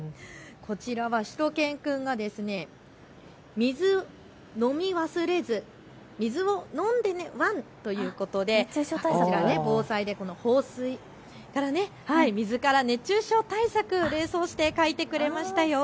こちらはしゅと犬くんが水、飲み忘れず、水を飲んでねワンということで水から熱中症対策連想して書いてくれましたよ。